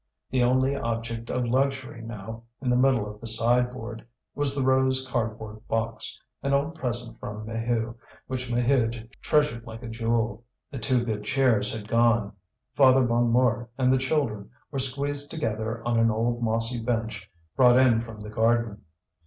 The only object of luxury now, in the middle of the sideboard, was the rose cardboard box, an old present from Maheu, which Maheude treasured like a jewel. The two good chairs had gone; Father Bonnemort and the children were squeezed together on an old mossy bench brought in from the garden.